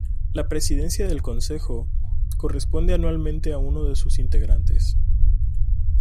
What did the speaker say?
La presidencia del Consejo corresponde anualmente uno de sus integrantes.